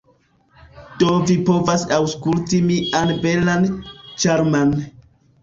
Do vi povas aŭskulti mian belan, ĉarman